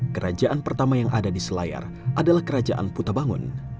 kerajaan pertama yang ada di selayar adalah kerajaan putabangun